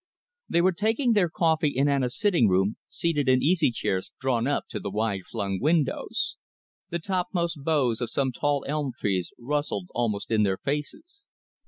They were taking their coffee in Anna's sitting room, seated in easy chairs drawn up to the wide flung windows. The topmost boughs of some tall elm trees rustled almost in their faces.